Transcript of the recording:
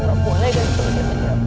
kamu gak boleh ganteng sama siapa